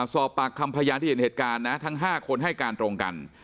สอบปากคำพยานที่เห็นเหตุการณ์นะทั้ง๕คนให้การตรงกัน